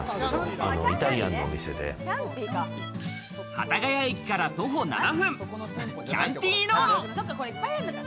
幡ヶ谷駅から徒歩７分、キャンティ・ノーノ。